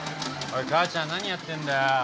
おい母ちゃん何やってんだよ。